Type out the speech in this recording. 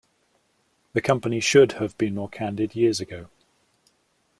The company should have been more candid years ago.